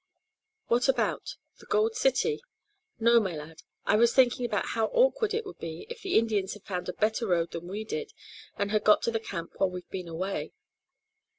"What about the gold city?" "No, my lad, I was thinking about how awkward it would be if the Indians had found a better road than we did, and had got to the camp while we've been away."